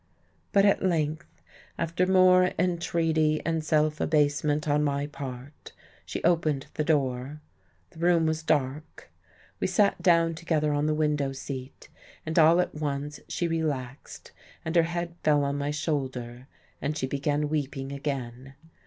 But at length, after more entreaty and self abasement on my part, she opened the door. The room was dark. We sat down together on the window seat, and all at once she relaxed and her head fell on my shoulder, and she began weeping again.